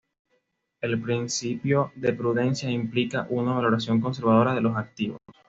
El Principio de Prudencia implica una valoración conservadora de los activos.